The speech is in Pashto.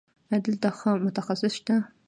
ایا دلته ښه متخصص شته؟